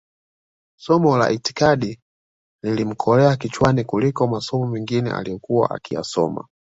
somo la itikadi lilimkolea kichwani kuliko masomo mengine aliyokuwa ankiyasoma